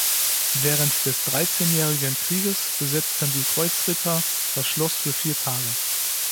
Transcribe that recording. Während des Dreizehnjährigen Krieges besetzten die Kreuzritter das Schloss für vier Tage.